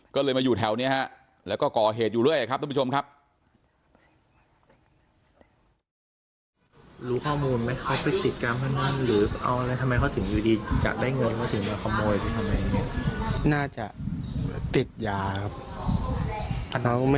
ก็เลยมาอยู่แถวนี้ฮะแล้วก็ก่อเหตุอยู่เรื่อยครับทุกผู้ชมครับ